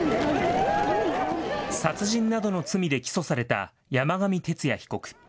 殺人などの罪で起訴された山上徹也被告。